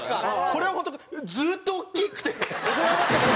これはホントずーっと大きくて。